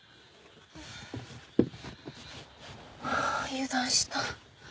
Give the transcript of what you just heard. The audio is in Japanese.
油断した。